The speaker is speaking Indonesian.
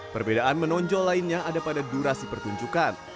perbedaan menonjol lainnya ada pada durasi pertunjukan